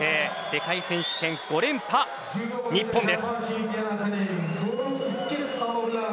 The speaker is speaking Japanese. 世界選手権５連覇日本です。